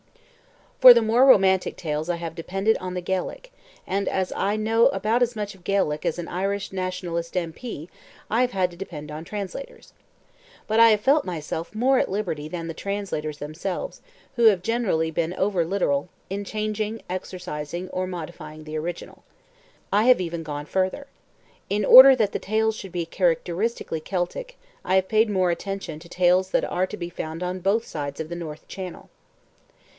For the more romantic tales I have depended on the Gaelic, and, as I know about as much of Gaelic as an Irish Nationalist M. P., I have had to depend on translators. But I have felt myself more at liberty than the translators themselves, who have generally been over literal, in changing, excising, or modifying the original. I have even gone further. In order that the tales should be characteristically Celtic, I have paid more particular attention to tales that are to be found on both sides of the North Channel.